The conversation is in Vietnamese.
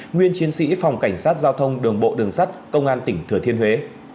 nguyên chiến sĩ phòng cảnh sát giao thông đường bộ đường sắt công an tỉnh thừa thiên huế